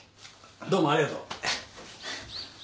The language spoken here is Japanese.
どうもありがとう。